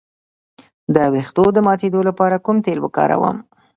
د ویښتو د ماتیدو لپاره کوم تېل وکاروم؟